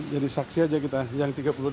jadi saksi aja kita yang tiga puluh delapan